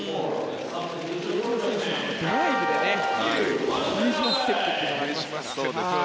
比江島選手はドライブで比江島ステップというのがありますから。